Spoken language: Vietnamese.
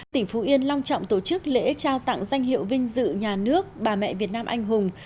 tỉnh phú yên long trọng tổ chức lễ trao tặng danh hiệu vinh dự nhà nước bà mẹ việt nam anh hùng